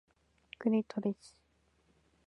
クリトリス